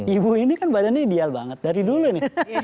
ibu ini kan badannya ideal banget dari dulu nih